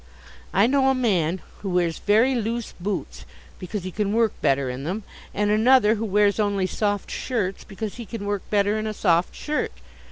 I know a man who wears very loose boots because he can work better in them: and another who wears only soft shirts because he can work better in a soft shirt.